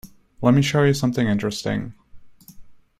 Let me show you something interesting.